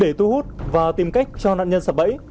để thu hút và tìm cách cho nạn nhân sập bẫy